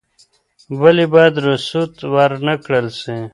ولي بايد رسوت ورنکړل سي؟